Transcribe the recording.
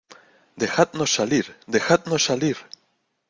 ¡ dejadnos salir! ¡ dejadnos salir !